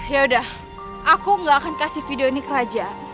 yaudah aku nggak akan kasih video ini ke raja